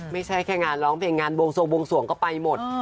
ไม่ใช่แค่งานร้องเพลงงานวงทรงบวงสวงก็ไปหมด